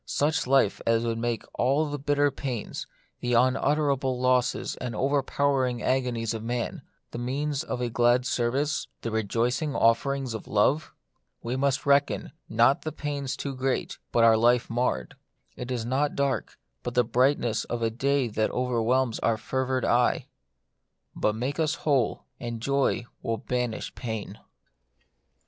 Such life as would make all the bitter pains, the unutterable losses and overpowering agonies of man, the means of a glad service, the rejoicing offerings of love ? We must reckon, not the pains too great, but our life marred. It is not dark, but the brightness of a day that overwhelms our fevered eye. But make us who ley and joy will banish pain.